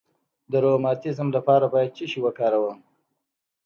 د روماتیزم لپاره باید څه شی وکاروم؟